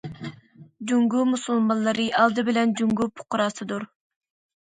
جۇڭگو مۇسۇلمانلىرى ئالدى بىلەن جۇڭگو پۇقراسىدۇر.